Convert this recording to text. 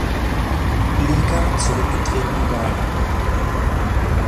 Liga zurückgetreten war.